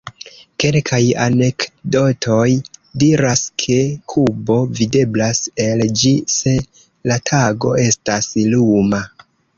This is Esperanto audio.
Kelkaj anekdotoj diras ke Kubo videblas el ĝi se la tago estas luma.